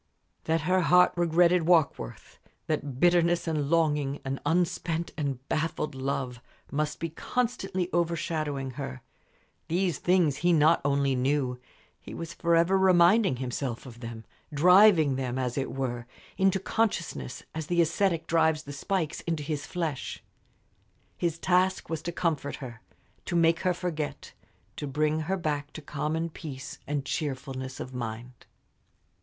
That her heart regretted Warkworth, that bitterness and longing, an unspent and baffled love, must be constantly overshadowing her these things he not only knew, he was forever reminding himself of them, driving them, as it were, into consciousness, as the ascetic drives the spikes into his flesh. His task was to comfort her, to make her forget, to bring her back to common peace and cheerfulness of mind.